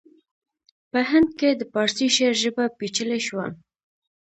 په هند کې د پارسي شعر ژبه پیچلې شوه